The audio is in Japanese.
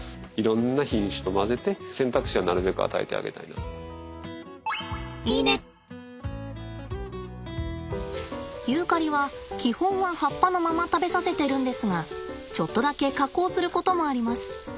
野生の動物ですからユーカリは基本は葉っぱのまま食べさせてるんですがちょっとだけ加工することもあります。